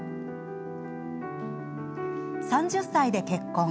３０歳で結婚。